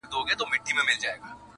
بحثونه بيا بيا تکرارېږي تل